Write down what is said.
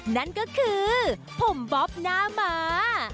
นั่นก็คือผมบ๊อบหน้าม้า